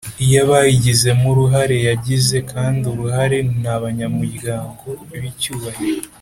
iy abayigizemo uruhare Yagize kandi uruharen abanyamuryango b icyubahiro